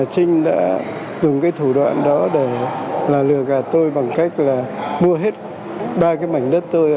trinh đã dùng cái thủ đoạn đó để là lừa tôi bằng cách là mua hết ba cái mảnh đất tôi